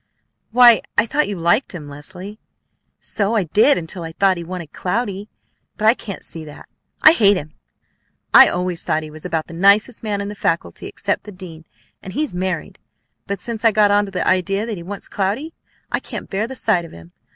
"Why, I thought you liked him, Leslie!" "So I did until I thought he wanted Cloudy, but I can't see that! I hate him. I always thought he was about the nicest man in the faculty except the dean, and he's married; but since I got onto the idea that he wants Cloudy I can't bear the sight of him.